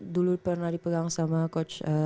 dulu pernah dipegang sama coach